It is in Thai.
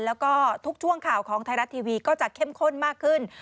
แล้วก็ทุกช่วงข่าวของไทยรัฐทีวีก็จะเข้มข้นมากขึ้น